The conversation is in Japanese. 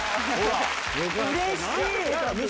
うれしい！